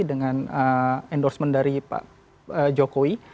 dengan endorsement dari pak jokowi